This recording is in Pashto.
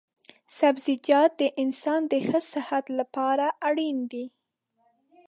سبزيجات د انسان د ښه صحت لپاره اړين دي